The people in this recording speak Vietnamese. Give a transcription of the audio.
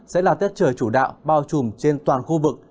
sẽ là tiết trời chủ đạo bao trùm trên toàn khu vực